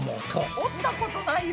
折ったことないよ。